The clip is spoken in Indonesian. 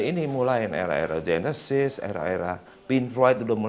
ini mulai era era genesis era era pink floyd